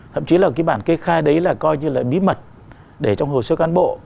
thậm chí là cái bản kê khai đấy là coi như là bí mật để trong hồ sơ can bộ